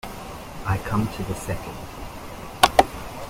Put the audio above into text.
I come to the second.